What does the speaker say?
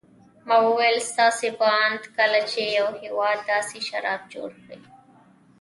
ما وویل: ستاسې په اند کله چې یو هېواد داسې شراب جوړ کړي.